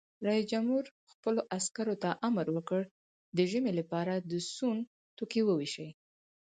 رئیس جمهور خپلو عسکرو ته امر وکړ؛ د ژمي لپاره د سون توکي وویشئ!